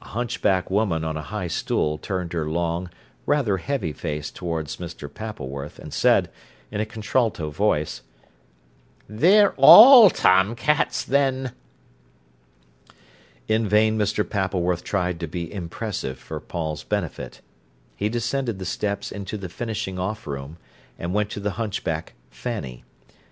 A hunchback woman on a high stool turned her long, rather heavy face towards Mr. Pappleworth, and said, in a contralto voice: "They're all tom cats then." In vain Mr. Pappleworth tried to be impressive for Paul's benefit. He descended the steps into the finishing off room, and went to the hunchback Fanny.